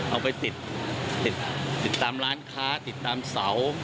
เอาไปติดติดตามร้านค้าติดตามเสา